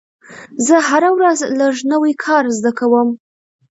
زه هره ورځ لږ نوی کار زده کوم.